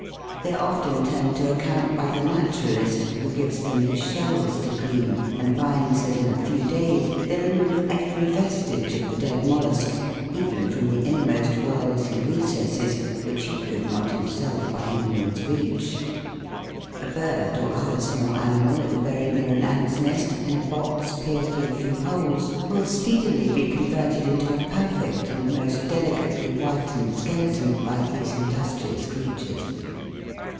They are often turned to account by the naturalist, who gives them his shells to clean, and finds that in a few days they remove every vestige of the dead mollusk, even from the innermost whorls and recesses, which he could not himself by any means reach. A bird, or other small animal, if buried near an ants' nest, in a box pierced with a few holes, will speedily be converted into a perfect and most delicately whitened skeleton by these industrious creatures.